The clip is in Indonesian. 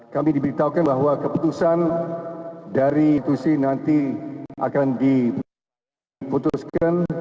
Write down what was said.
kami diberitahukan bahwa keputusan dari institusi nanti akan diputuskan